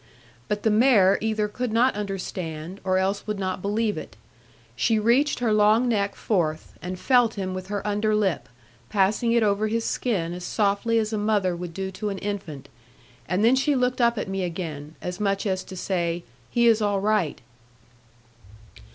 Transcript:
But the mare either could not understand, or else would not believe it. She reached her long neck forth, and felt him with her under lip, passing it over his skin as softly as a mother would do to an infant; and then she looked up at me again; as much as to say, 'he is all right.'